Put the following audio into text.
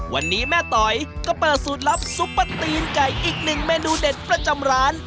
วันนี้แม่ต๋อยก็เปิดสูตรลับซุปเปอร์ตีนไก่อีกหนึ่งเมนูเด็ดประจำร้าน